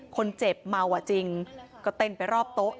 คนเจ็บเมาอ่ะจริงก็เต้นไปรอบโต๊ะ